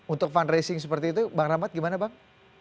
untuk fundraising seperti itu bang rahmat gimana bang